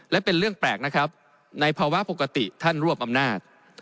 และเป็นเรื่องแปลกนะครับในภาวะปกติท่านรวบอำนาจ